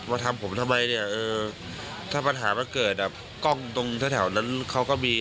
ทำผมทำไมเนี่ยเออถ้าปัญหามันเกิดอ่ะกล้องตรงแถวนั้นเขาก็มี